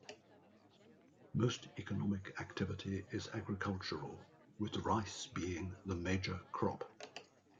Most economic activity is agricultural with rice being the major crop.